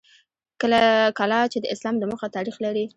کلا چې د اسلام د مخه تاریخ لري